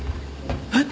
えっ？